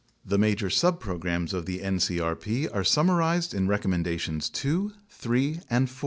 The major subprograms of the ncrp are summarized in Recommendations 2, 3, and 4.